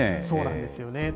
そうなんですよね。